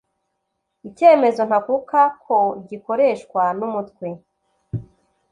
Icyemezo ntakuka ko gikoreshwa n umutwe